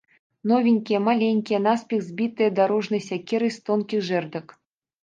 Новенькія, маленькія, наспех збітыя дарожнай сякерай з тонкіх жэрдак.